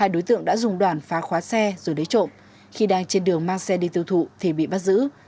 hai đối tượng đã dùng đoàn phá khóa xe rồi lấy trộm khi đang trên đường mang xe đi tiêu thụ thì bị bắt giữ